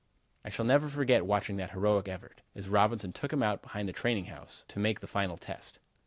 I shall never forget watching that heroic effort, as Robinson took him out behind the training house, to make the final test.